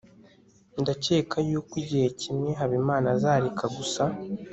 ndakeka yuko igihe kimwe habimana azareka gusa